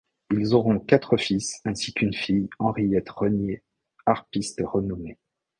Ils auront quatre fils ainsi qu'une fille Henriette Renié, harpiste renommée.